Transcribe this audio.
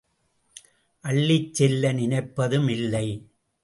அள்ளிச் செல்ல நினைப்பதும் இல்லை.